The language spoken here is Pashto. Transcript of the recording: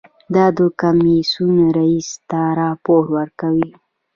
دا د کمیسیون رییس ته راپور ورکوي.